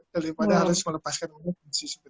daripada harus melepaskan uang dan sisi begitu